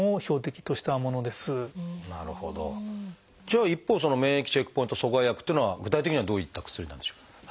じゃあ一方免疫チェックポイント阻害薬というのは具体的にはどういった薬なんでしょう？